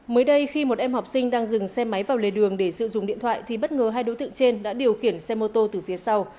mới đây khi một em học sinh đang dừng xe máy vào lề đường để sử dụng điện thoại thì bất ngờ hai đối tượng trên đã điều khiển xe mô tô từ phía sau